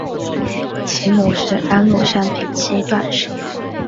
其母是安禄山平妻段氏。